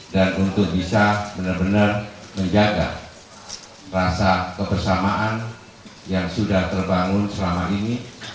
dan untuk bisa benar benar menjaga rasa kebersamaan yang sudah terbangun selama ini